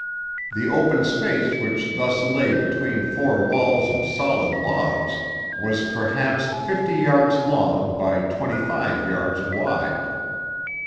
The open space which thus lay between four walls of solid logs was perhaps fifty yards long by twenty five yards wide.